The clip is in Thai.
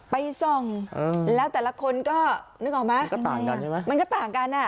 ไปส่องแล้วแต่ละคนก็นึกออกไหมก็ต่างกันใช่ไหมมันก็ต่างกันอ่ะ